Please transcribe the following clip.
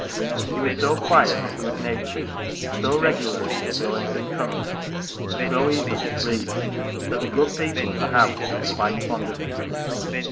He was so quiet and good natured, so regular in his goings and comings, and so easily pleased, that the good people of the house grew quite fond of him.